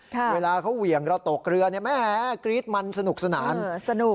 เวลาเขาเหวี่ยงเราตกเรือแม่กรี๊ดมันสนุกสนาน